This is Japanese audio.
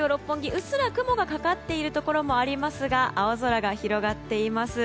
うっすら雲がかかっているところもありますが青空が広がっています。